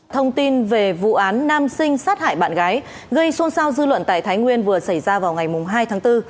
thông tin về vụ án nam sinh sát hại bạn gái gây xôn xao dư luận tại thái nguyên vừa xảy ra vào ngày hai tháng bốn